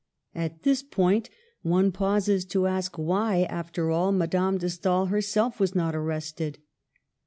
At this point one pauses to ask why, after all, Madame de Stael herself was not arrested.